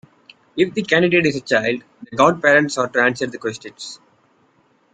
If the candidate is a child, the godparents are to answer the questions.